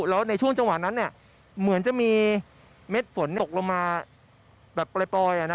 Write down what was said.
แล้วในช่วงจังหวะนั้นเหมือนจะมีเม็ดฝนตกลงมาแบบปล่อย